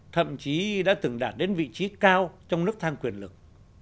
thậm chí đã từng đạt đến vị trí cao trong nước thang quyền lực